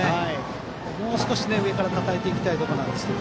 もう少し上からたたいていきたいところですが。